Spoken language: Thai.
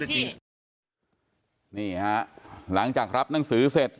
แต่ก็ไม่ได้อ่านรายละเอียดทั้งหมดพี่นี่ฮะหลังจากรับหนังสือเสร็จ